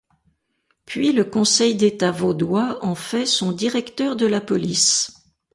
Puis le Conseil d’État vaudois en fait son directeur de la police.